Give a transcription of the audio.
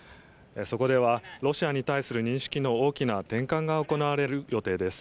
そこでは、ロシアに対する認識の大きな転換が行われる予定です。